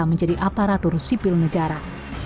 menjadi aparatur sipil negara